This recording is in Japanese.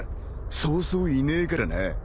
そうそういねえからな。